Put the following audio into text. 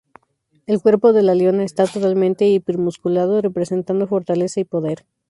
El cuerpo de la leona está totalmente hiper-musculado, representando fortaleza y poder.